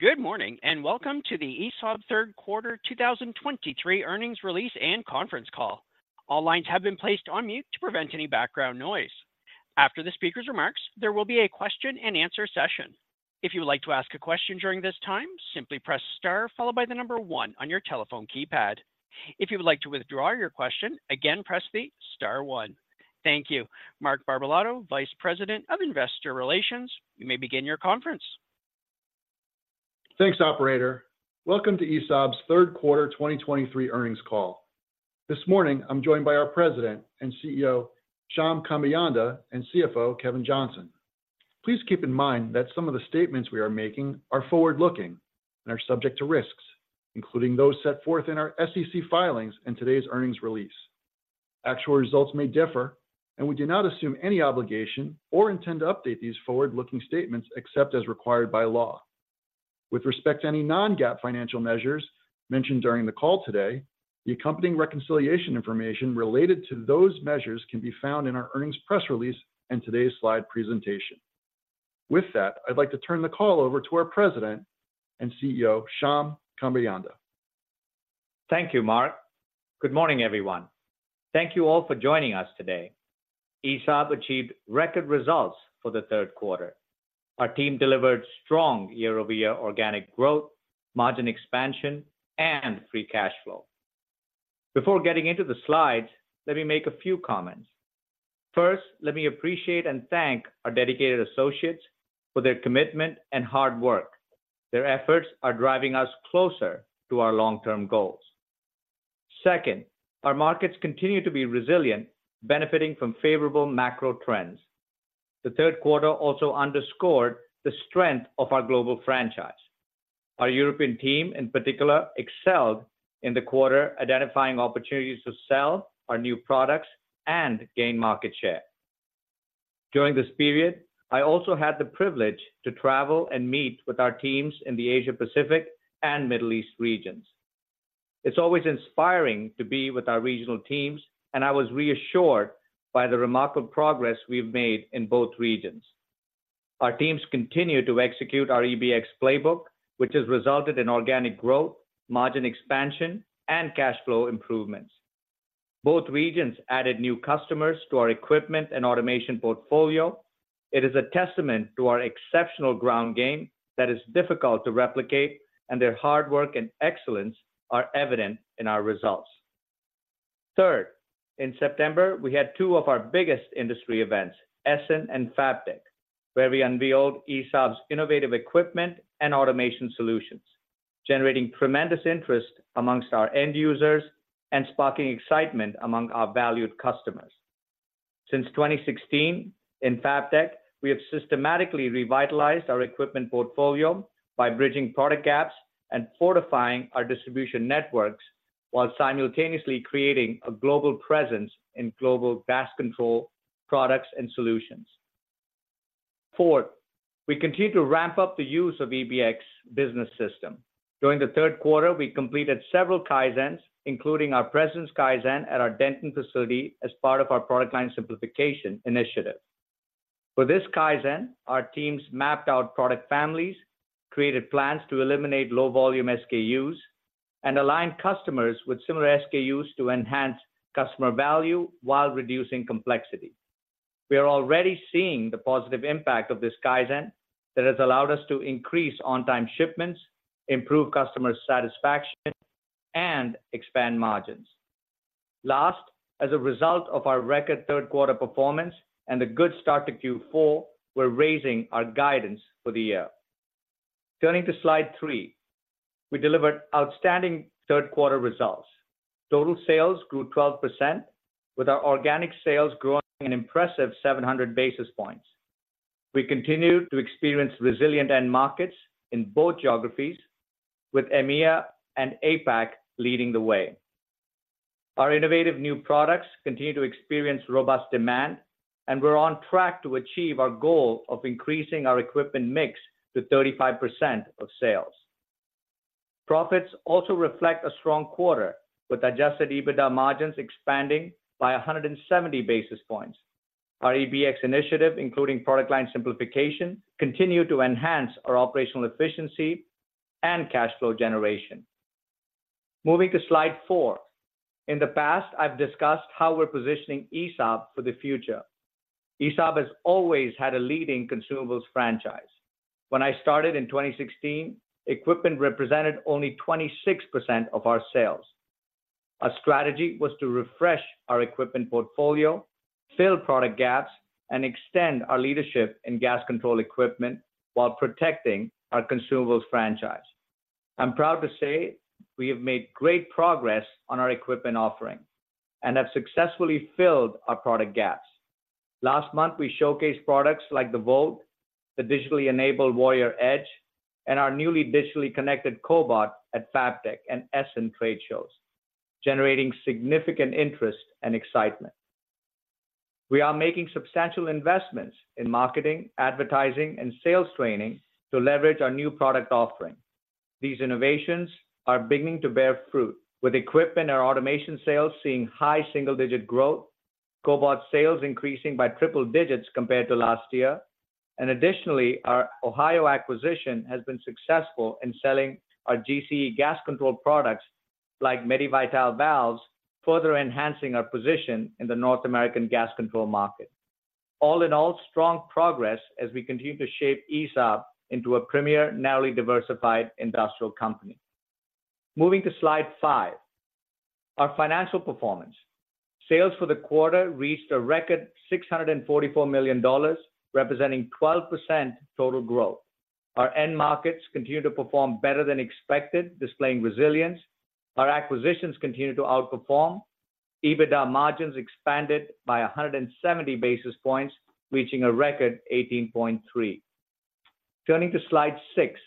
Good morning, and welcome to the ESAB third quarter 2023 earnings release and conference call. All lines have been placed on mute to prevent any background noise. After the speaker's remarks, there will be a question and answer session. If you would like to ask a question during this time, simply press star followed by the number one on your telephone keypad. If you would like to withdraw your question, again, press the star one. Thank you. Mark Barbalato, Vice President of Investor Relations, you may begin your conference. Thanks, operator. Welcome to ESAB's third quarter 2023 earnings call. This morning, I'm joined by our President and CEO, Shyam Kambeyanda, and CFO, Kevin Johnson. Please keep in mind that some of the statements we are making are forward-looking and are subject to risks, including those set forth in our SEC filings and today's earnings release. Actual results may differ, and we do not assume any obligation or intend to update these forward-looking statements except as required by law. With respect to any non-GAAP financial measures mentioned during the call today, the accompanying reconciliation information related to those measures can be found in our earnings press release and today's slide presentation. With that, I'd like to turn the call over to our President and CEO, Shyam Kambeyanda. Thank you, Mark. Good morning, everyone. Thank you all for joining us today. ESAB achieved record results for the third quarter. Our team delivered strong year-over-year organic growth, margin expansion, and free cash flow. Before getting into the slides, let me make a few comments. First, let me appreciate and thank our dedicated associates for their commitment and hard work. Their efforts are driving us closer to our long-term goals. Second, our markets continue to be resilient, benefiting from favorable macro trends. The third quarter also underscored the strength of our global franchise. Our European team, in particular, excelled in the quarter, identifying opportunities to sell our new products and gain market share. During this period, I also had the privilege to travel and meet with our teams in the Asia Pacific and Middle East regions. It's always inspiring to be with our regional teams, and I was reassured by the remarkable progress we've made in both regions. Our teams continue to execute our EBX playbook, which has resulted in organic growth, margin expansion, and cash flow improvements. Both regions added new customers to our equipment and automation portfolio. It is a testament to our exceptional ground game that is difficult to replicate, and their hard work and excellence are evident in our results. Third, in September, we had two of our biggest industry events, Essen and FABTECH, where we unveiled ESAB's innovative equipment and automation solutions, generating tremendous interest among our end users and sparking excitement among our valued customers. Since 2016, in FABTECH, we have systematically revitalized our equipment portfolio by bridging product gaps and fortifying our distribution networks, while simultaneously creating a global presence in global gas control products and solutions. Fourth, we continue to ramp up the use of EBX business system. During the third quarter, we completed several Kaizens, including our process Kaizen at our Denton facility as part of our product line simplification initiative. For this Kaizen, our teams mapped out product families, created plans to eliminate low-volume SKUs, and aligned customers with similar SKUs to enhance customer value while reducing complexity. We are already seeing the positive impact of this Kaizen that has allowed us to increase on-time shipments, improve customer satisfaction, and expand margins. Last, as a result of our record third quarter performance and the good start to Q4, we're raising our guidance for the year. Turning to slide three, we delivered outstanding third-quarter results. Total sales grew 12%, with our organic sales growing an impressive 700 basis points. We continue to experience resilient end markets in both geographies, with EMEA and APAC leading the way. Our innovative new products continue to experience robust demand, and we're on track to achieve our goal of increasing our equipment mix to 35% of sales. Profits also reflect a strong quarter, with adjusted EBITDA margins expanding by 170 basis points. Our EBX initiative, including product line simplification, continue to enhance our operational efficiency and cash flow generation. Moving to slide four. In the past, I've discussed how we're positioning ESAB for the future. ESAB has always had a leading consumables franchise. When I started in 2016, equipment represented only 26% of our sales. Our strategy was to refresh our equipment portfolio, fill product gaps, and extend our leadership in gas control equipment while protecting our consumables franchise. I'm proud to say we have made great progress on our equipment offering and have successfully filled our product gaps. Last month, we showcased products like the VOLT, the digitally enabled Warrior Edge, and our newly digitally connected Cobot at FABTECH and Essen trade shows, generating significant interest and excitement. We are making substantial investments in marketing, advertising, and sales training to leverage our new product offering. These innovations are beginning to bear fruit, with equipment or automation sales seeing high single-digit growth. Cobot sales increasing by triple digits compared to last year. Additionally, our Ohio acquisition has been successful in selling our GCE gas control products, like MediVital valves, further enhancing our position in the North American gas control market. All in all, strong progress as we continue to shape ESAB into a premier, narrowly diversified industrial company. Moving to slide five, our financial performance. Sales for the quarter reached a record $644 million, representing 12% total growth. Our end markets continued to perform better than expected, displaying resilience. Our acquisitions continued to outperform. EBITDA margins expanded by 170 basis points, reaching a record 18.3. Turning to slide six,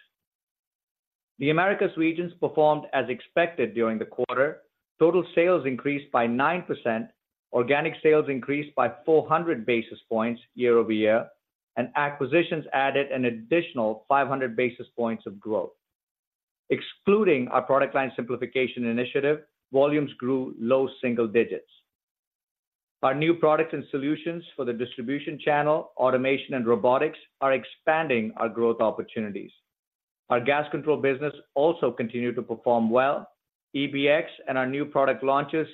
the Americas regions performed as expected during the quarter. Total sales increased by 9%, organic sales increased by 400 basis points year-over-year, and acquisitions added an additional 500 basis points of growth. Excluding our product line simplification initiative, volumes grew low single digits. Our new products and solutions for the distribution channel, automation, and robotics are expanding our growth opportunities. Our gas control business also continued to perform well. EBX and our new product launches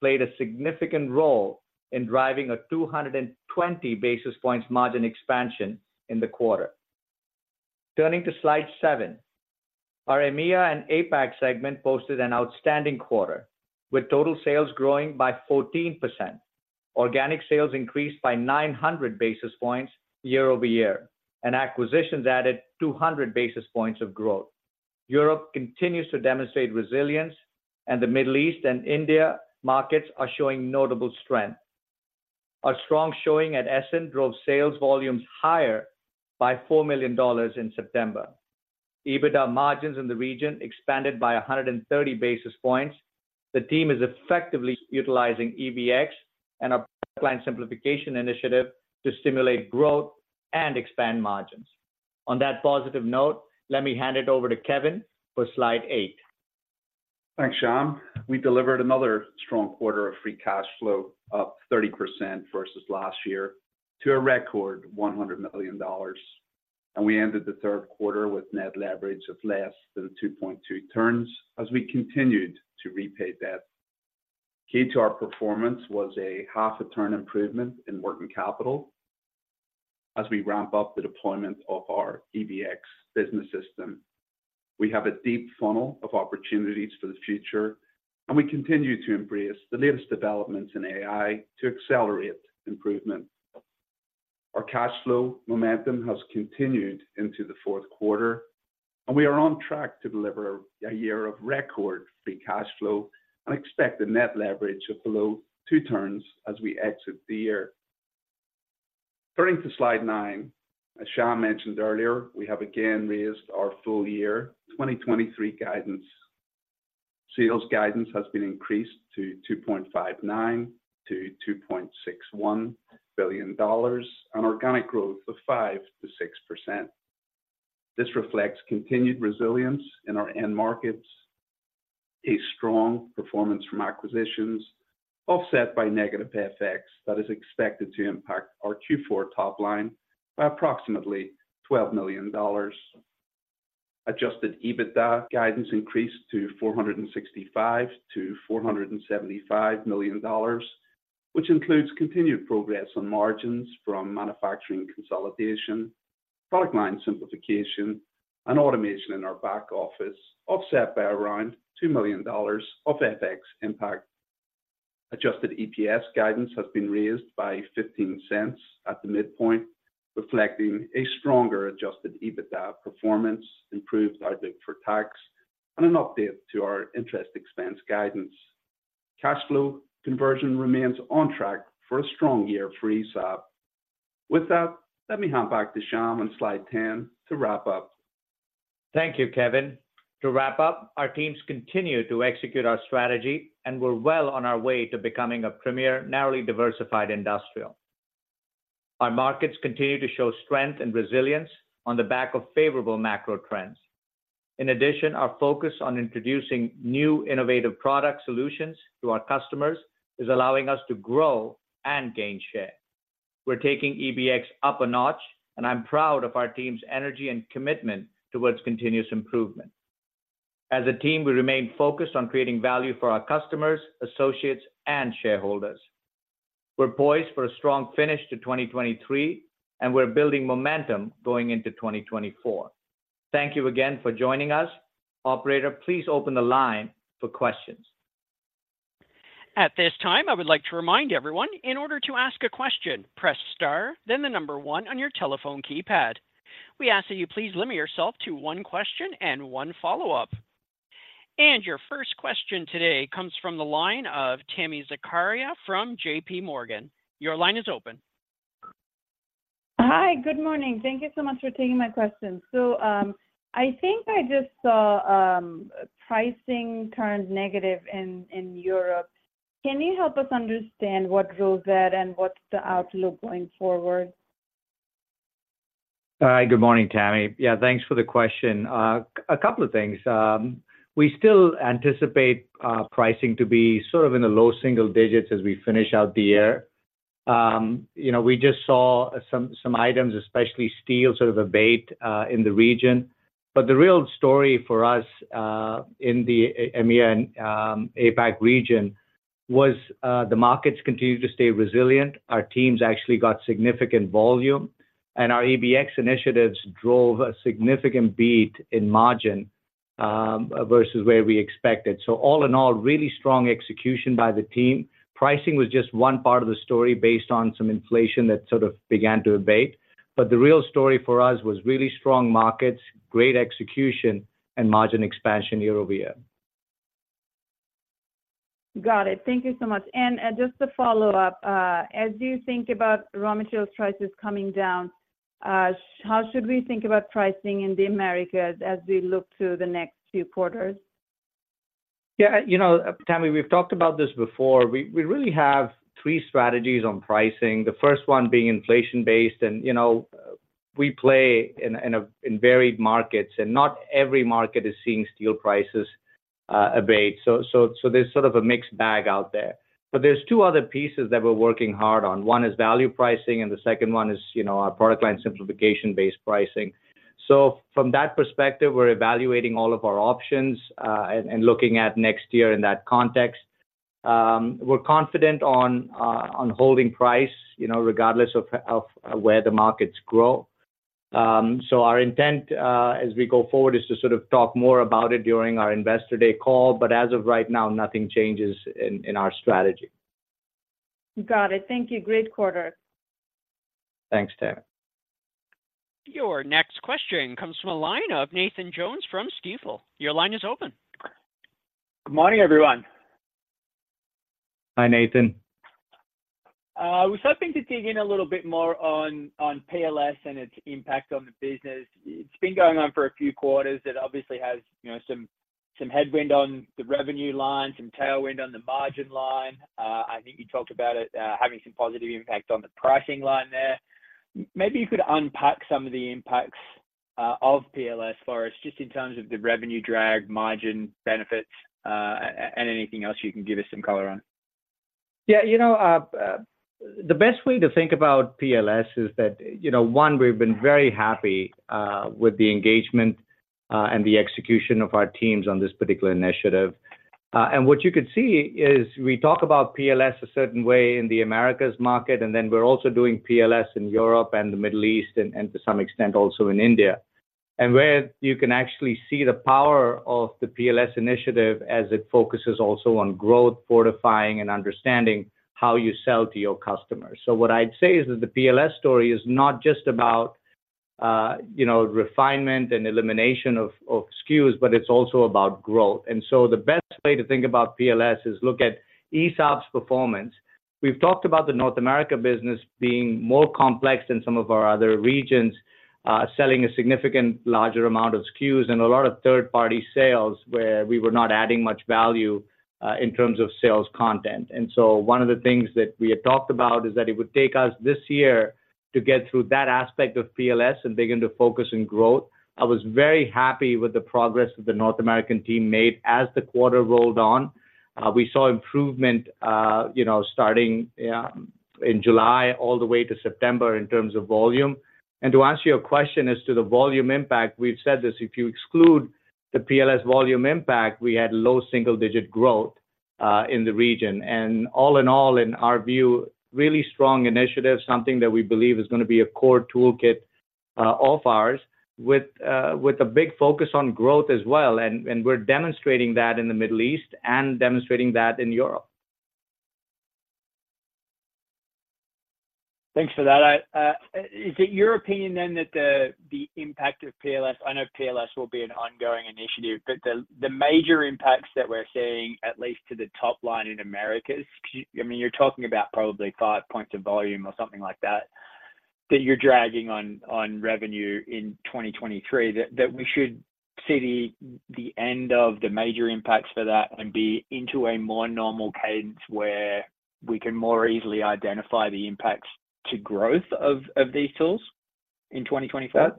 played a significant role in driving 220 basis points margin expansion in the quarter. Turning to slide seven, our EMEA and APAC segment posted an outstanding quarter, with total sales growing by 14%. Organic sales increased by 900 basis points year-over-year, and acquisitions added 200 basis points of growth. Europe continues to demonstrate resilience, and the Middle East and India markets are showing notable strength. Our strong showing at Essen drove sales volumes higher by $4 million in September. EBITDA margins in the region expanded by 130 basis points. The team is effectively utilizing EBX and our product line simplification initiative to stimulate growth and expand margins. On that positive note, let me hand it over to Kevin for slide eight. Thanks, Shyam. We delivered another strong quarter of free cash flow, up 30% versus last year, to a record $100 million. We ended the third quarter with net leverage of less than 2.2 turns as we continued to repay debt. Key to our performance was a 0.5 turn improvement in working capital as we ramp up the deployment of our EBX business system. We have a deep funnel of opportunities for the future, and we continue to embrace the latest developments in AI to accelerate improvement. Our cash flow momentum has continued into the fourth quarter, and we are on track to deliver a year of record free cash flow and expect a net leverage of below two turns as we exit the year. Turning to slide nine, as Shyam mentioned earlier, we have again raised our full year 2023 guidance. Sales guidance has been increased to $2.59 billion-$2.61 billion on organic growth of 5%-6%. This reflects continued resilience in our end markets, a strong performance from acquisitions, offset by negative FX that is expected to impact our Q4 top line by approximately $12 million. Adjusted EBITDA guidance increased to $465 million-$475 million, which includes continued progress on margins from manufacturing consolidation, product line simplification, and automation in our back office, offset by around $2 million of FX impact. Adjusted EPS guidance has been raised by $0.15 at the midpoint, reflecting a stronger adjusted EBITDA performance, improved outlook for tax, and an update to our interest expense guidance. Cash flow conversion remains on track for a strong year for ESAB. With that, let me hand back to Shyam on slide 10 to wrap up. Thank you, Kevin. To wrap up, our teams continue to execute our strategy, and we're well on our way to becoming a premier, narrowly diversified industrial. Our markets continue to show strength and resilience on the back of favorable macro trends. In addition, our focus on introducing new innovative product solutions to our customers is allowing us to grow and gain share. We're taking EBX up a notch, and I'm proud of our team's energy and commitment towards continuous improvement. As a team, we remain focused on creating value for our customers, associates, and shareholders. We're poised for a strong finish to 2023, and we're building momentum going into 2024. Thank you again for joining us. Operator, please open the line for questions. At this time, I would like to remind everyone, in order to ask a question, press star, then the number one on your telephone keypad. We ask that you please limit yourself to one question and one follow-up. Your first question today comes from the line of Tami Zakaria from JPMorgan. Your line is open. Hi, good morning. Thank you so much for taking my question. I think I just saw pricing turned negative in Europe. Can you help us understand what drove that and what's the outlook going forward? Hi, good morning, Tami. Yeah, thanks for the question. A couple of things. We still anticipate pricing to be sort of in the low single digits as we finish out the year. You know, we just saw some items, especially steel, sort of abate in the region. But the real story for us in the EMEA and APAC region was the markets continued to stay resilient. Our teams actually got significant volume, and our EBX initiatives drove a significant beat in margin versus where we expected. So all in all, really strong execution by the team. Pricing was just one part of the story based on some inflation that sort of began to abate, but the real story for us was really strong markets, great execution, and margin expansion year-over-year. Got it. Thank you so much. Just to follow up, as you think about raw materials prices coming down, how should we think about pricing in the Americas as we look to the next few quarters? Yeah, you know, Tami, we've talked about this before. We really have three strategies on pricing, the first one being inflation-based. You know, we play in varied markets, and not every market is seeing steel prices abate. So there's sort of a mixed bag out there. But there's two other pieces that we're working hard on. One is value pricing, and the second one is, you know, our Product Line Simplification-based pricing. So from that perspective, we're evaluating all of our options and looking at next year in that context. We're confident on holding price, you know, regardless of where the markets grow. So our intent, as we go forward, is to sort of talk more about it during our Investor Day call, but as of right now, nothing changes in our strategy. Got it. Thank you. Great quarter. Thanks, Tami. Your next question comes from a line of Nathan Jones from Stifel. Your line is open. Good morning, everyone. Hi, Nathan. I was hoping to dig in a little bit more on PLS and its impact on the business. It's been going on for a few quarters. It obviously has, you know, some headwind on the revenue line, some tailwind on the margin line. I think you talked about it having some positive impact on the pricing line there. Maybe you could unpack some of the impacts of PLS for us, just in terms of the revenue drag, margin benefits, and anything else you can give us some color on. Yeah, you know, the best way to think about PLS is that, you know, one, we've been very happy, with the engagement, and the execution of our teams on this particular initiative. And what you could see is we talk about PLS a certain way in the Americas market, and then we're also doing PLS in Europe and the Middle East, and, and to some extent, also in India. And where you can actually see the power of the PLS initiative as it focuses also on growth, fortifying and understanding how you sell to your customers. So what I'd say is that the PLS story is not just about, you know, refinement and elimination of, of SKUs, but it's also about growth. And so the best way to think about PLS is look at ESAB's performance. We've talked about the North America business being more complex than some of our other regions, selling a significant larger amount of SKUs and a lot of third-party sales, where we were not adding much value, in terms of sales content. And so one of the things that we had talked about is that it would take us this year to get through that aspect of PLS and begin to focus on growth. I was very happy with the progress that the North American team made as the quarter rolled on. We saw improvement, you know, starting in July all the way to September in terms of volume. And to answer your question as to the volume impact, we've said this: if you exclude the PLS volume impact, we had low single-digit growth, in the region. And all in all, in our view, really strong initiative, something that we believe is gonna be a core toolkit of ours, with a big focus on growth as well. And we're demonstrating that in the Middle East and demonstrating that in Europe. Thanks for that. Is it your opinion then that the impact of PLS... I know PLS will be an ongoing initiative, but the major impacts that we're seeing, at least to the top line in Americas, because, I mean, you're talking about probably five points of volume or something like that, that you're dragging on revenue in 2023, that we should see the end of the major impacts for that and be into a more normal cadence where we can more easily identify the impacts to growth of these tools in 2025?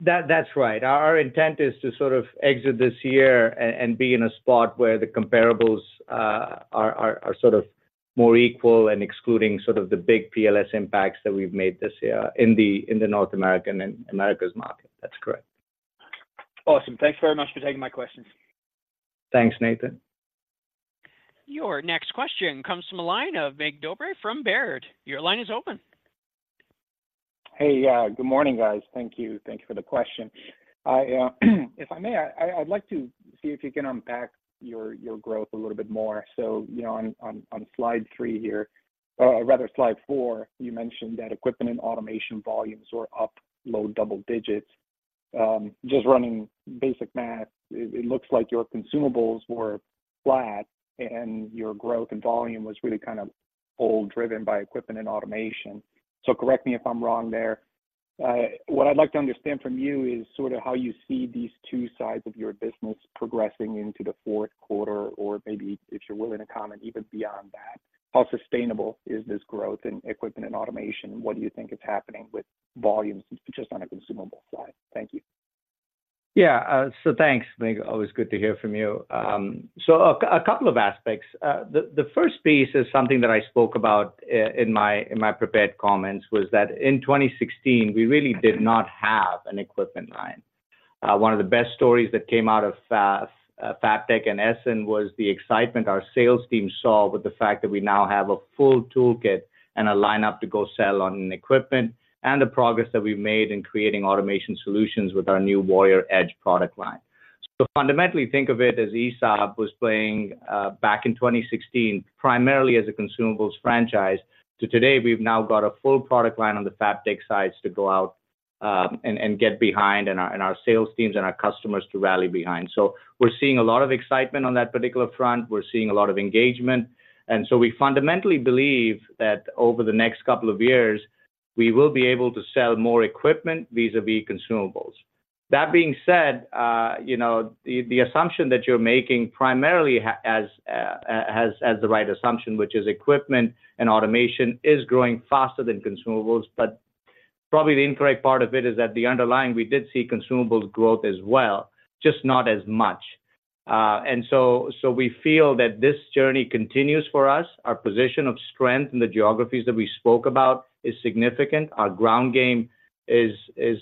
That's right. Our intent is to sort of exit this year and be in a spot where the comparables are sort of more equal and excluding sort of the big PLS impacts that we've made this year in the North American and Americas market. That's correct. Awesome. Thanks very much for taking my questions. Thanks, Nathan. Your next question comes from a line of Mig Dobre from Baird. Your line is open. Hey, good morning, guys. Thank you. Thank you for the question. If I may, I'd like to see if you can unpack your growth a little bit more. So, you know, on slide three here, rather slide four, you mentioned that equipment and automation volumes were up low double digits. Just running basic math, it looks like your consumables were flat and your growth and volume was really kind of all driven by equipment and automation. So correct me if I'm wrong there. What I'd like to understand from you is sort of how you see these two sides of your business progressing into the fourth quarter, or maybe if you're willing to comment even beyond that? How sustainable is this growth in equipment and automation? What do you think is happening with volumes just on a consumable side? Thank you. Yeah, so thanks, Mig. Always good to hear from you. So a couple of aspects. The first piece is something that I spoke about in my prepared comments, was that in 2016, we really did not have an equipment line. One of the best stories that came out of FABTECH and Essen was the excitement our sales team saw with the fact that we now have a full toolkit and a lineup to go sell on equipment, and the progress that we've made in creating automation solutions with our new Warrior Edge product line. So fundamentally, think of it as ESAB was playing back in 2016, primarily as a consumables franchise, to today, we've now got a full product line on the FABTECH side to go out and get behind, and our sales teams and our customers to rally behind. So we're seeing a lot of excitement on that particular front. We're seeing a lot of engagement, and so we fundamentally believe that over the next couple of years, we will be able to sell more equipment vis-à-vis consumables. That being said, you know, the assumption that you're making primarily as the right assumption, which is equipment and automation, is growing faster than consumables, but probably the incorrect part of it is that the underlying, we did see consumables growth as well, just not as much. And so we feel that this journey continues for us. Our position of strength in the geographies that we spoke about is significant. Our ground game is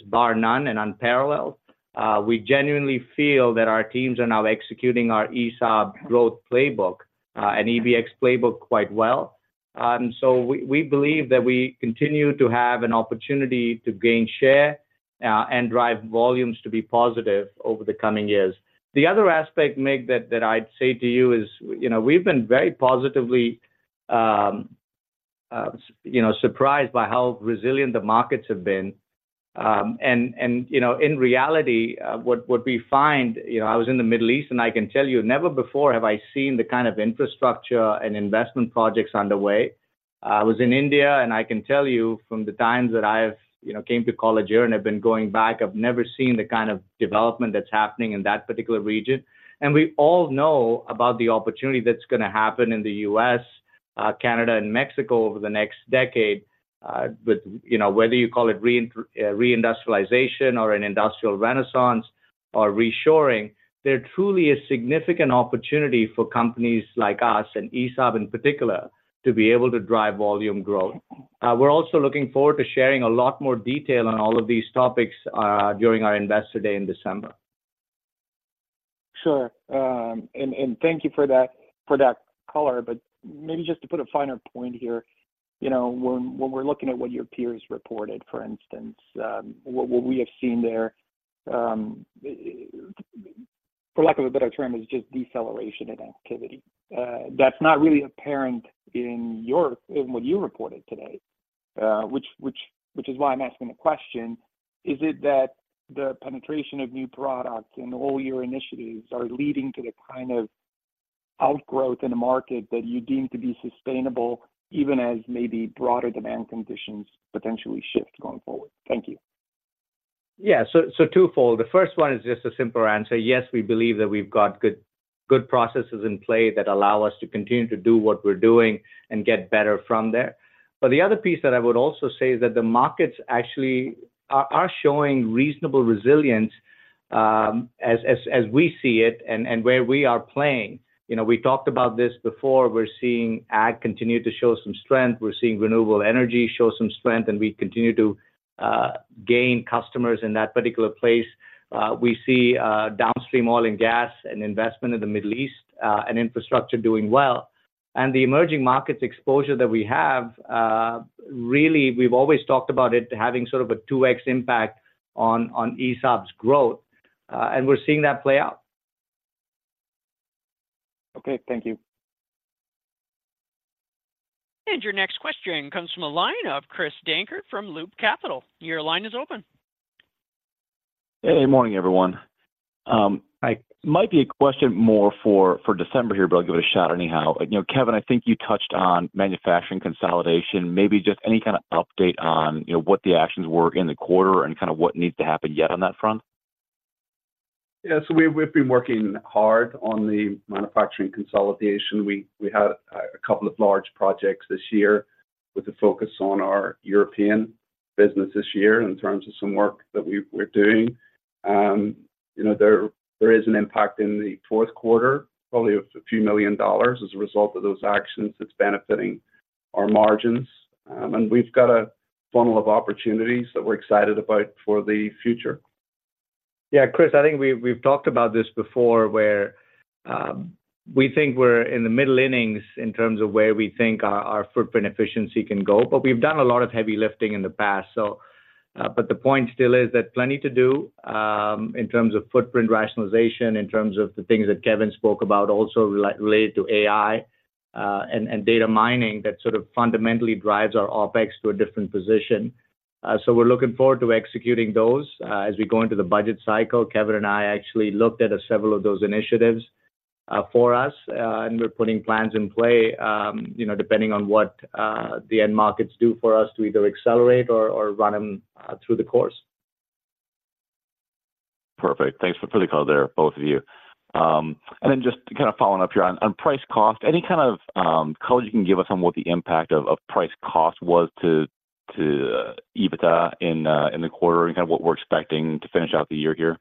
bar none and unparalleled. We genuinely feel that our teams are now executing our ESAB growth playbook and EBX playbook quite well. So we believe that we continue to have an opportunity to gain share and drive volumes to be positive over the coming years. The other aspect, Mig, that I'd say to you is, you know, we've been very positively, you know, surprised by how resilient the markets have been. And you know, in reality, what we find... You know, I was in the Middle East, and I can tell you, never before have I seen the kind of infrastructure and investment projects underway. I was in India, and I can tell you from the times that I've, you know, came to college here and have been going back, I've never seen the kind of development that's happening in that particular region. We all know about the opportunity that's gonna happen in the U.S., Canada and Mexico over the next decade. With, you know, whether you call it reindustrialization or an industrial renaissance or reshoring, there truly is significant opportunity for companies like us, and ESAB in particular, to be able to drive volume growth. We're also looking forward to sharing a lot more detail on all of these topics during our Investor Day in December. Sure. And thank you for that, for that color, but maybe just to put a finer point here, you know, when we're looking at what your peers reported, for instance, what we have seen there, for lack of a better term, is just deceleration in activity. That's not really apparent in what you reported today, which is why I'm asking the question: Is it that the penetration of new products and all your initiatives are leading to the kind of outgrowth in the market that you deem to be sustainable, even as maybe broader demand conditions potentially shift going forward? Thank you. Yeah, so twofold. The first one is just a simple answer. Yes, we believe that we've got good, good processes in play that allow us to continue to do what we're doing and get better from there. But the other piece that I would also say is that the markets actually are showing reasonable resilience, as we see it, and where we are playing. You know, we talked about this before. We're seeing ag continue to show some strength, we're seeing renewable energy show some strength, and we continue to gain customers in that particular place. We see downstream oil and gas and investment in the Middle East, and infrastructure doing well. The emerging markets exposure that we have, really, we've always talked about it having sort of a 2x impact on ESAB's growth, and we're seeing that play out. Okay. Thank you. Your next question comes from the line of Chris Dankert from Loop Capital. Your line is open. Hey, good morning, everyone. It might be a question more for December here, but I'll give it a shot anyhow. You know, Kevin, I think you touched on manufacturing consolidation. Maybe just any kind of update on, you know, what the actions were in the quarter and kind of what needs to happen yet on that front? Yeah, so we've been working hard on the manufacturing consolidation. We had a couple of large projects this year with a focus on our European business this year in terms of some work that we're doing. You know, there is an impact in the fourth quarter, probably of a few million dollars as a result of those actions. It's benefiting our margins, and we've got a funnel of opportunities that we're excited about for the future. Yeah, Chris, I think we've talked about this before, where we think we're in the middle innings in terms of where we think our footprint efficiency can go, but we've done a lot of heavy lifting in the past. So, but the point still is that plenty to do in terms of footprint rationalization, in terms of the things that Kevin spoke about also related to AI and data mining, that sort of fundamentally drives our OpEx to a different position. So we're looking forward to executing those as we go into the budget cycle. Kevin and I actually looked at several of those initiatives for us and we're putting plans in play, you know, depending on what the end markets do for us to either accelerate or run them through the course. Perfect. Thanks for, for the color there, both of you. And then just kind of following up here on, on price cost, any kind of color you can give us on what the impact of, of price cost was to, to EBITDA in the quarter, and kind of what we're expecting to finish out the year here?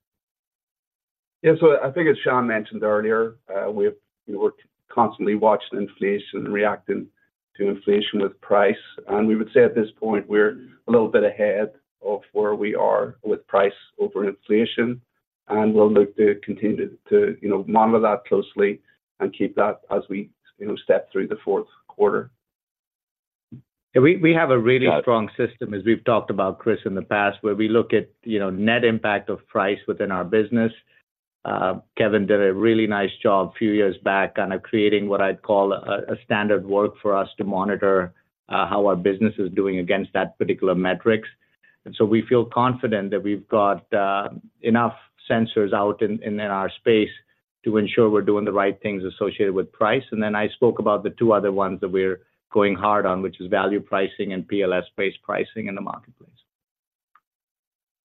Yeah, so I think as Sean mentioned earlier, we're constantly watching inflation and reacting to inflation with price. And we would say at this point, we're a little bit ahead of where we are with price over inflation, and we'll look to continue to you know monitor that closely and keep that as we you know step through the fourth quarter. We have a really strong system, as we've talked about, Chris, in the past, where we look at, you know, net impact of price within our business. Kevin did a really nice job a few years back, kind of creating what I'd call a standard work for us to monitor how our business is doing against that particular metrics. And so we feel confident that we've got enough sensors out in our space to ensure we're doing the right things associated with price. And then I spoke about the two other ones that we're going hard on, which is value pricing and PLS-based pricing in the marketplace.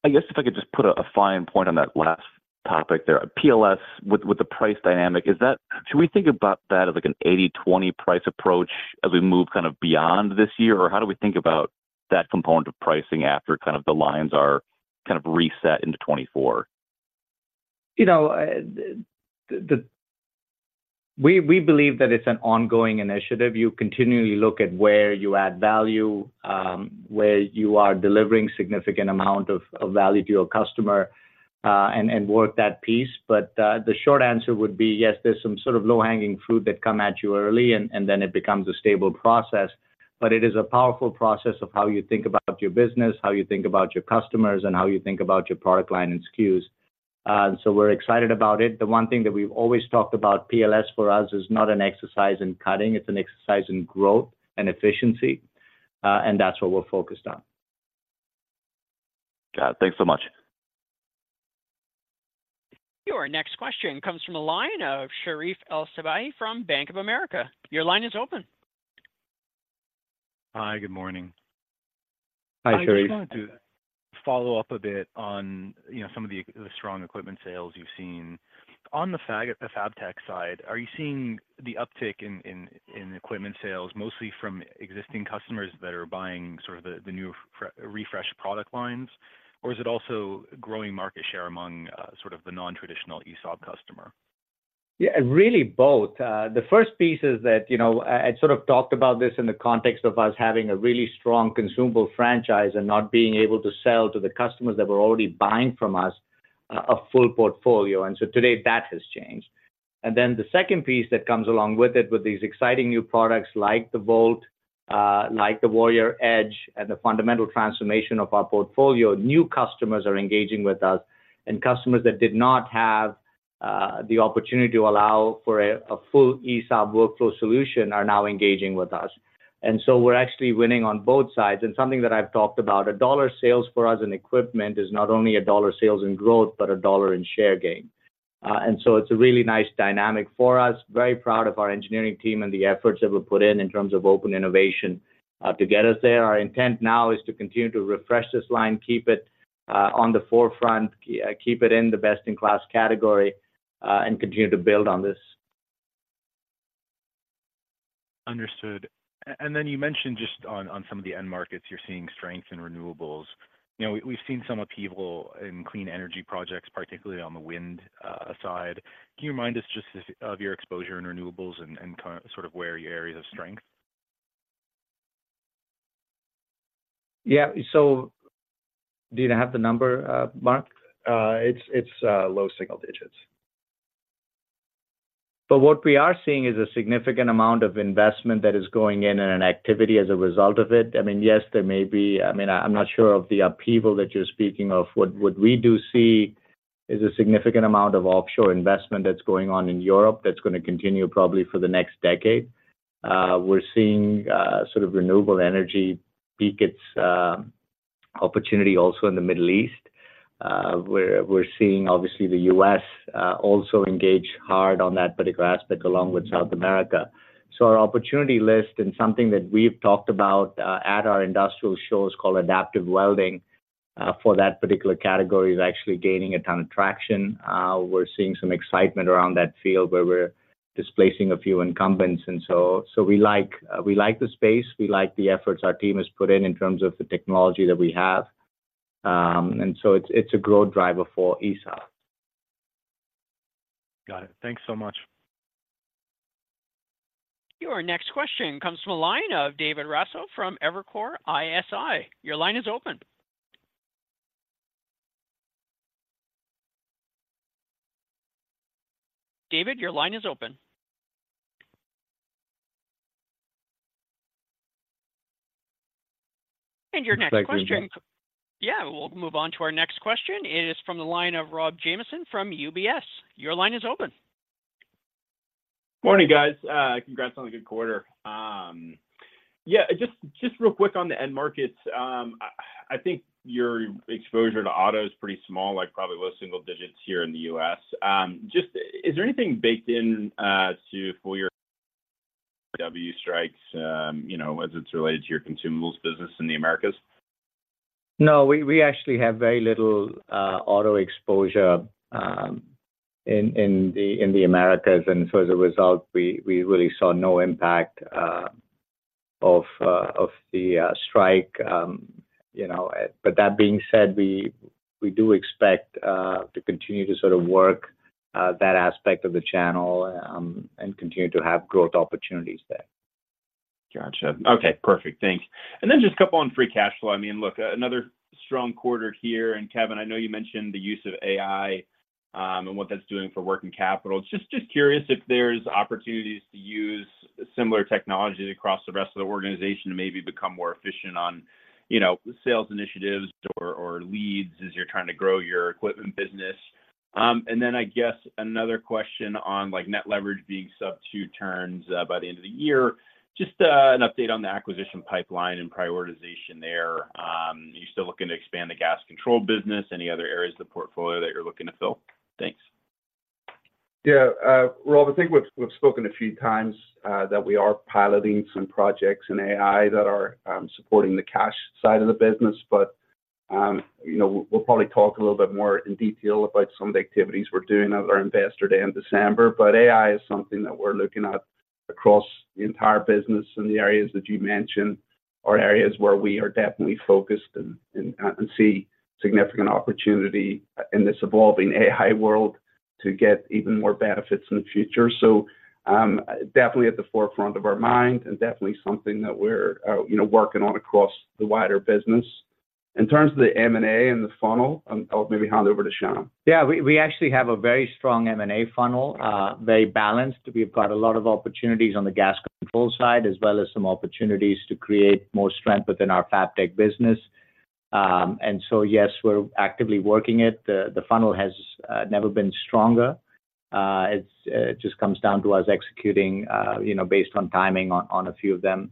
I guess if I could just put a fine point on that last topic there. PLS, with the price dynamic, is that—should we think about that as, like, an 80/20 price approach as we move kind of beyond this year? Or how do we think about that component of pricing after kind of the lines are kind of reset into 2024? You know, we believe that it's an ongoing initiative. You continually look at where you add value, where you are delivering significant amount of value to your customer, and work that piece. But, the short answer would be, yes, there's some sort of low-hanging fruit that come at you early, and then it becomes a stable process. But it is a powerful process of how you think about your business, how you think about your customers, and how you think about your product line and SKUs. So we're excited about it. The one thing that we've always talked about, PLS for us is not an exercise in cutting, it's an exercise in growth and efficiency, and that's what we're focused on. Got it. Thanks so much. Your next question comes from a line of Sherif El-Sabbahy from Bank of America. Your line is open. Hi, good morning. Hi, Sherif. I just wanted to follow up a bit on, you know, some of the strong equipment sales you've seen. On the FABTECH side, are you seeing the uptick in equipment sales, mostly from existing customers that are buying sort of the new refreshed product lines? Or is it also growing market share among sort of the non-traditional ESAB customer? Yeah, really both. The first piece is that, you know, I sort of talked about this in the context of us having a really strong consumable franchise and not being able to sell to the customers that were already buying from us, a full portfolio. And so today, that has changed. And then the second piece that comes along with it, with these exciting new products like the VOLT, like the Warrior Edge, and the fundamental transformation of our portfolio, new customers are engaging with us, and customers that did not have the opportunity to allow for a full ESAB workflow solution are now engaging with us. And so we're actually winning on both sides. And something that I've talked about, a dollar sales for us in equipment is not only a dollar sales in growth, but a dollar in share gain. And so it's a really nice dynamic for us. Very proud of our engineering team and the efforts that were put in, in terms of open innovation, to get us there. Our intent now is to continue to refresh this line, keep it on the forefront, keep it in the best-in-class category, and continue to build on this. Understood. And then you mentioned just on some of the end markets, you're seeing strength in renewables. You know, we've seen some upheaval in clean energy projects, particularly on the wind side. Can you remind us just of your exposure in renewables and sort of where your areas of strength? Yeah. So do you have the number, Mark? It's low single digits. But what we are seeing is a significant amount of investment that is going in and an activity as a result of it. I mean, yes, there may be... I mean, I'm not sure of the upheaval that you're speaking of. What we do see is a significant amount of offshore investment that's going on in Europe that's gonna continue probably for the next decade. We're seeing sort of renewable energy peak its opportunity also in the Middle East. We're seeing, obviously, the U.S. also engage hard on that particular aspect along with South America. So our opportunity list, and something that we've talked about at our industrial shows, called adaptive welding for that particular category, is actually gaining a ton of traction. We're seeing some excitement around that field where we're displacing a few incumbents. And so, so we like, we like the space, we like the efforts our team has put in in terms of the technology that we have. And so it's, it's a growth driver for ESAB. Got it. Thanks so much. Your next question comes from a line of David Raso from Evercore ISI. Your line is open. David, your line is open. And your next question- Thank you. Yeah, we'll move on to our next question. It is from the line of Rob Jamieson from UBS. Your line is open. Morning, guys. Congrats on a good quarter. Yeah, just real quick on the end markets. I think your exposure to auto is pretty small, like probably low single digits here in the U.S. Just, is there anything baked in to full-year UAW strikes, you know, as it's related to your consumables business in the Americas? No, we actually have very little auto exposure in the Americas, and so as a result, we really saw no impact of the strike. You know, but that being said, we do expect to continue to sort of work that aspect of the channel and continue to have growth opportunities there. Gotcha. Okay, perfect. Thanks. And then just a couple on free cash flow. I mean, look, another strong quarter here. And Kevin, I know you mentioned the use of AI, and what that's doing for working capital. Just curious if there's opportunities to use similar technologies across the rest of the organization to maybe become more efficient on, you know, sales initiatives or leads as you're trying to grow your equipment business. And then I guess another question on, like, net leverage being sub two turns by the end of the year. Just an update on the acquisition pipeline and prioritization there. Are you still looking to expand the gas control business? Any other areas of the portfolio that you're looking to fill? Thanks. Yeah, Rob, I think we've spoken a few times that we are piloting some projects in AI that are supporting the cash side of the business. But, you know, we'll probably talk a little bit more in detail about some of the activities we're doing at our Investor Day in December. But AI is something that we're looking at across the entire business, and the areas that you mentioned are areas where we are definitely focused and see significant opportunity in this evolving AI world to get even more benefits in the future. So, definitely at the forefront of our mind, and definitely something that we're, you know, working on across the wider business. In terms of the M&A and the funnel, I'll maybe hand over to Shyam. Yeah, we actually have a very strong M&A funnel, very balanced. We've got a lot of opportunities on the gas control side, as well as some opportunities to create more strength within our FABTECH business. And so, yes, we're actively working it. The funnel has never been stronger. It's just comes down to us executing, you know, based on timing on a few of them.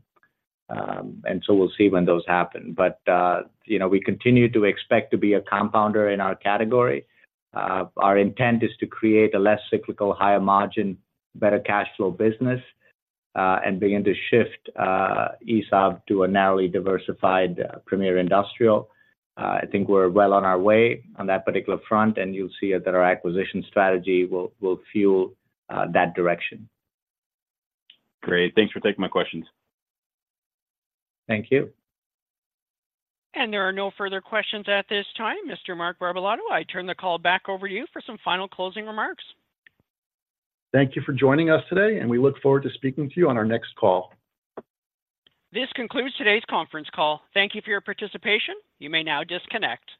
And so we'll see when those happen. But, you know, we continue to expect to be a compounder in our category. Our intent is to create a less cyclical, higher margin, better cash flow business, and begin to shift ESAB to a narrowly diversified premier industrial. I think we're well on our way on that particular front, and you'll see that our acquisition strategy will fuel that direction. Great. Thanks for taking my questions. Thank you. There are no further questions at this time. Mr. Mark Barbalato, I turn the call back over to you for some final closing remarks. Thank you for joining us today, and we look forward to speaking to you on our next call. This concludes today's conference call. Thank you for your participation. You may now disconnect.